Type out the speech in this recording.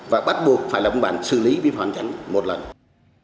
và bắt buộc phải làm văn bản xử lý biện pháp an toàn giao thông một lần